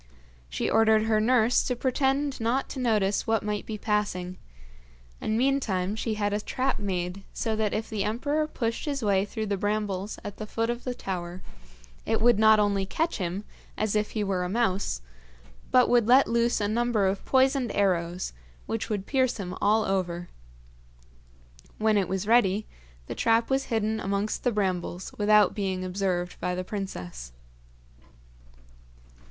She ordered her nurse to pretend not to notice what might be passing, and meantime she had a trap made so that if the emperor pushed his way through the brambles at the foot of the tower, it would not only catch him, as if he were a mouse, but would let loose a number of poisoned arrows, which would pierce him all over. When it was ready, the trap was hidden amongst the brambles without being observed by the princess.